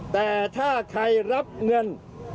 แต่ถ้าใครรับเงิน